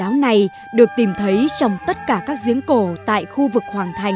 nét độc đáo này được tìm thấy trong tất cả các diếng cổ tại khu vực hoàng thành